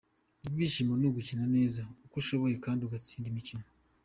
"Ibyishimo ni ugukina neza uko ushoboye kandi ugatsinda imikino.